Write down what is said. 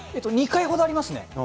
２回ほどありますね。